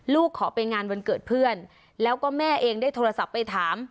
ขอไปงานวันเกิดเพื่อนแล้วก็แม่เองได้โทรศัพท์ไปถาม